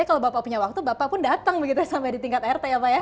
kalau bapak punya waktu bapak pun datang begitu sampai di tingkat rt ya pak ya